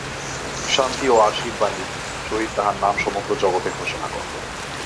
শান্তি ও আশীর্বাণীর সহিত তাঁহার নাম সমগ্র জগতে ঘোষণা কর।